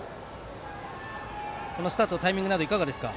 このスタートのタイミングなどいかがですか。